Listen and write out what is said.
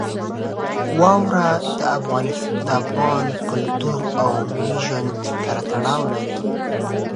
واوره د افغان کلتور او ملي ژوند سره تړاو لري.